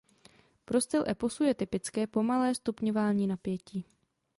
Pro styl eposu je typické pomalé stupňování napětí.